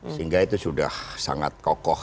sehingga itu sudah sangat kokoh